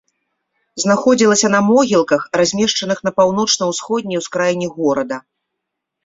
Знаходзілася на могілках, размешчаных на паўночна-ўсходняй ускраіне горада.